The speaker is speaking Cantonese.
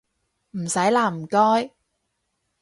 唔使喇唔該